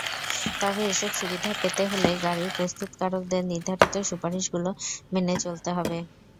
তবে এসব সুবিধা পেতে হলে গাড়ির প্রস্তুতকারকের নির্ধারিত সুপারিশগুলো মেনে চলতে হবে।